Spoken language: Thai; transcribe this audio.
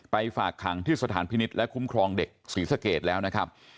ฝากขังที่สถานพินิษฐ์และคุ้มครองเด็กศรีสะเกดแล้วนะครับ